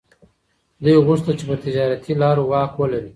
دوی غوښتل چي پر تجارتي لارو واک ولري.